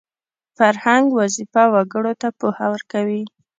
فرهنګ وظیفه وګړو ته پوهه ورکوي